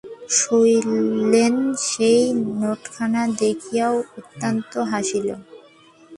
শৈলেন সেই নোটখানা দেখিয়া অত্যন্ত হাসিল।